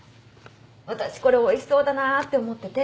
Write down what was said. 私これおいしそうだなって思ってて。